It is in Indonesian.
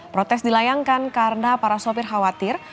protes dilayangkan karena para sopir khawatir